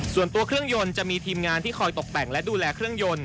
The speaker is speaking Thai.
ส่วนตัวเครื่องยนต์จะมีทีมงานที่คอยตกแต่งและดูแลเครื่องยนต์